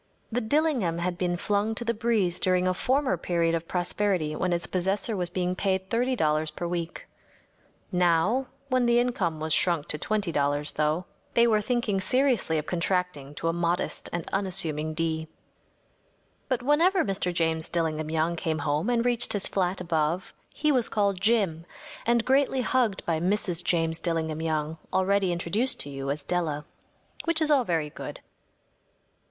‚ÄĚ The ‚ÄúDillingham‚ÄĚ had been flung to the breeze during a former period of prosperity when its possessor was being paid $30 per week. Now, when the income was shrunk to $20, though, they were thinking seriously of contracting to a modest and unassuming D. But whenever Mr. James Dillingham Young came home and reached his flat above he was called ‚ÄúJim‚ÄĚ and greatly hugged by Mrs. James Dillingham Young, already introduced to you as Della. Which is all very good.